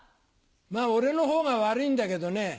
まぁ俺のほうが悪いんだけどね